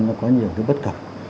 rất là bất cẩn